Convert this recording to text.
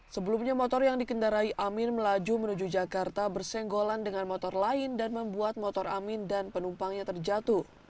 sebelumnya motor yang dikendarai amin melaju menuju jakarta bersenggolan dengan motor lain dan membuat motor amin dan penumpangnya terjatuh